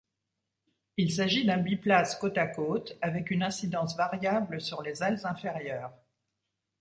Il s'agit d'un biplace côte-à-côte avec une incidence variable sur les ailes inférieures.